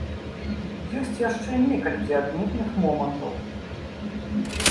Ёсць яшчэ некалькі адметных момантаў.